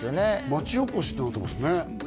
町おこしになってますね